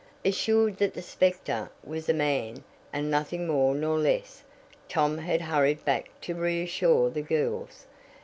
Assured that the specter was a man and nothing more nor less, Tom had hurried back to reassure the girls.